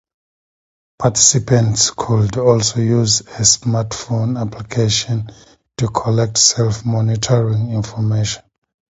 Participants could also use a smartphone application to collect self-monitoring information.